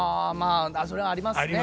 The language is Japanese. あそれはありますね。